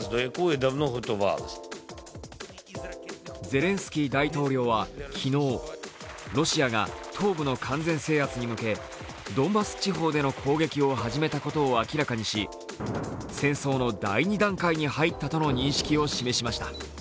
ゼレンスキー大統領は昨日ロシアが東部の完全制圧に向けドンバス地方での攻撃を始めたことを明らかにし、戦争の第２段階に入ったとの認識を示しました。